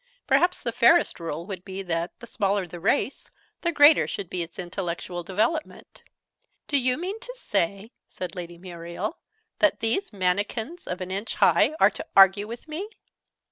Perhaps the fairest rule would be that, the smaller the race, the greater should be its intellectual development!" "Do you mean to say," said Lady Muriel, "that these manikins of an inch high are to argue with me?"